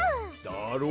だろ？